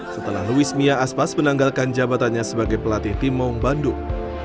setelah luis mia aspas menanggalkan jabatannya sebagai pelatih tim maung bandung